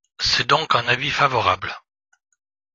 C’est donc un avis favorable.